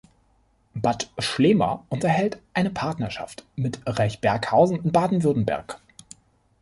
Bad Schlema unterhält eine Partnerschaft mit Rechberghausen in Baden-Württemberg.